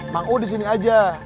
mang u disini aja